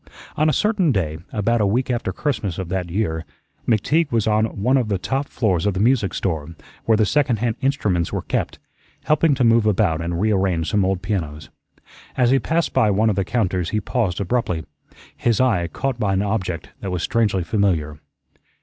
On a certain day, about a week after Christmas of that year, McTeague was on one of the top floors of the music store, where the second hand instruments were kept, helping to move about and rearrange some old pianos. As he passed by one of the counters he paused abruptly, his eye caught by an object that was strangely familiar.